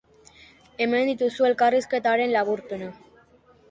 Hemen dituzu elkarrizketaren laburpena.